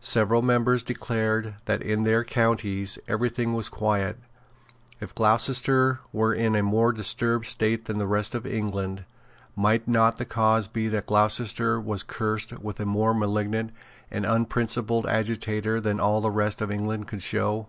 Several members declared that in their counties every thing was quiet. If Gloucestershire were in a more disturbed state than the rest of England, might not the cause be that Gloucestershire was cursed with a more malignant and unprincipled agitator than all the rest of England could show?